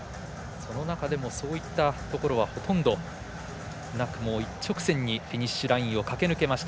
その中でもそういったところはほとんどなく一直線にフィニッシュラインを駆け抜けました。